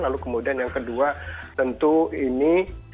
lalu kemudian yang kedua tentu ini